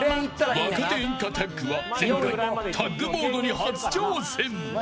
若手演歌タッグが前回タッグモードに初挑戦。